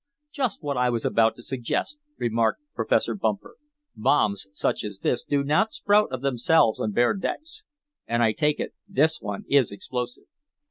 "Just what I was about to suggest," remarked Professor Bumper. "Bombs, such as this, do not sprout of themselves on bare decks. And I take it this one is explosive."